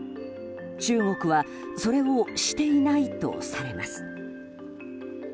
中国はそれをしていないとされます。